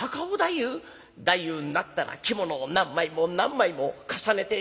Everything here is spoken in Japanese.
「太夫になったら着物を何枚も何枚も重ねて着てるだろ？